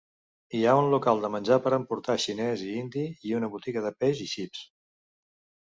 Hi ha un local de menjar per emportar xinès i indi i una botiga de peix i xips.